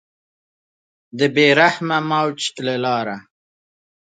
د بې رحمه موج له واره